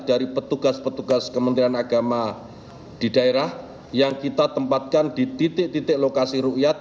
dari petugas petugas kementerian agama di daerah yang kita tempatkan di titik titik lokasi rukyat